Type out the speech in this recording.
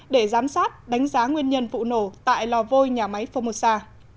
để giám sát đánh giá nguyên nhân vụ nổ tại lò vôi nhà máy phomosa